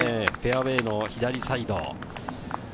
フェアウエーの左サイド。